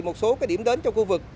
một số điểm đến cho khu vực